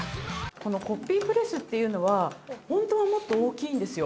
このコッピープレスっていうのはホントはもっと大きいんですよ。